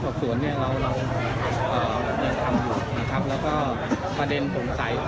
ออกสวนเนี่ยเราเราเอ่อเอ่อทำแล้วก็ประเด็นสงสัย